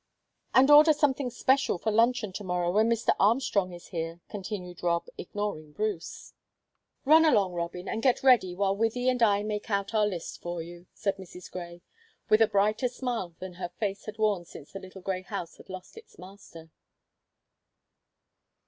"And order something special for luncheon to morrow when Mr. Armstrong is here," continued Rob, ignoring Bruce. "Run along, Robin, and get ready while Wythie and I make out our list for you," said Mrs. Grey, with a brighter smile than her face had worn since the little grey house had lost its master.